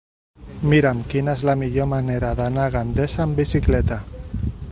Mira'm quina és la millor manera d'anar a Gandesa amb bicicleta.